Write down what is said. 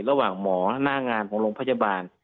ระหว่างหมอหน้างานของโรงพยาบาล